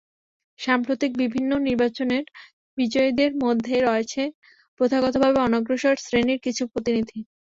সাম্প্রতিক বিভিন্ন নির্বাচনের বিজয়ীদের মধ্যে রয়েছেন প্রথাগতভাবে অনগ্রসর শ্রেণীর কিছু প্রতিনিধি।